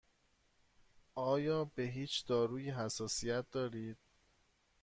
آیا به هیچ دارویی حساسیت دارید؟